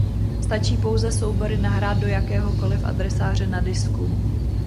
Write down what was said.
Stačí pouze soubory nahrát do jakéhokoliv adresáře na disku.